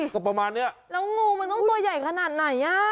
ก็ประมาณเนี้ยแล้วงูมันต้องตัวใหญ่ขนาดไหนอ่ะ